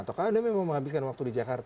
atau kalian memang menghabiskan waktu di jakarta